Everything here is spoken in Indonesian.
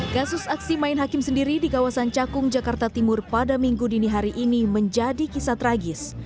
kasus aksi main hakim sendiri di kawasan cakung jakarta timur pada minggu dini hari ini menjadi kisah tragis